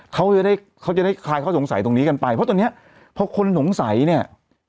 เขาจะได้เขาจะได้คลายข้อสงสัยตรงนี้กันไปเพราะตอนเนี้ยพอคนสงสัยเนี่ย